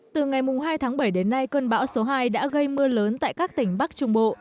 từ ngày hai tháng bảy đến nay cơn bão số hai đã gây mưa lớn tại các tỉnh bắc trung bộ